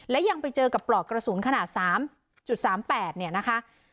และยังไปเจอกับปลอกกระสุนขนาด๓๓๘เนี่ยนะคะ